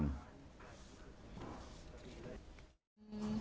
เอามาคืนเถอะส่วนเงินสดสี่แสนกว่าบาทเจ้าของร้านบอกว่าก็คงต้องแล้วแต่บุญแต่กรรม